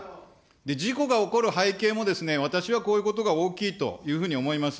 事故が起こる背景もですね、私はこういうことが大きいというふうに思います。